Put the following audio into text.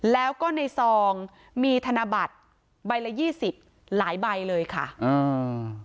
แล้วก็ในซองมีธนบัตรใบละยี่สิบหลายใบเลยค่ะอ่า